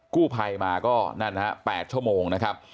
กู้ภัยมาก็๘ชั่วโมงนะครับ